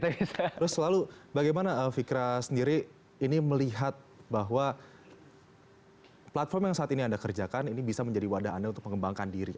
terus lalu bagaimana fikra sendiri ini melihat bahwa platform yang saat ini anda kerjakan ini bisa menjadi wadah anda untuk mengembangkan diri